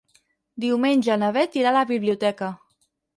Diumenge na Beth irà a la biblioteca.